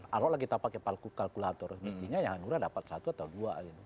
kalau lagi tak pakai kalkulator mestinya ya hanura dapat satu atau dua